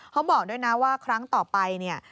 บอกด้วยนะว่าครั้งต่อไปเนี่ย